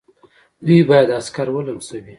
دوی باید عسکر ولمسوي.